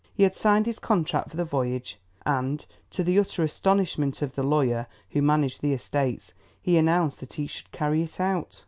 He had signed his contract for the voyage, and, to the utter astonishment of the lawyer who managed the estates, he announced that he should carry it out.